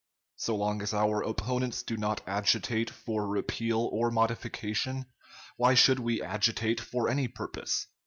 So long as our opponents do not agitate for repeal or modification, why should we agitate for any purpose!